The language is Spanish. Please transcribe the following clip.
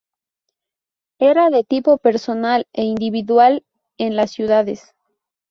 Era de tipo personal e individual en las ciudades.